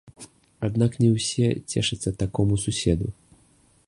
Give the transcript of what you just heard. Аднак не ўсе цешацца такому суседу.